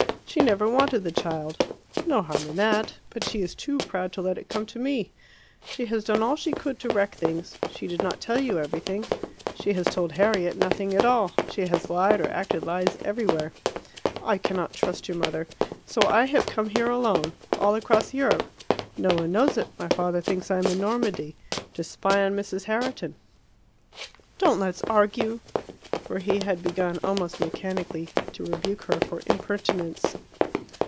She never wanted the child; no harm in that; but she is too proud to let it come to me. She has done all she could to wreck things; she did not tell you everything; she has told Harriet nothing at all; she has lied or acted lies everywhere. I cannot trust your mother. So I have come here alone all across Europe; no one knows it; my father thinks I am in Normandy to spy on Mrs. Herriton. Don't let's argue!" for he had begun, almost mechanically, to rebuke her for impertinence.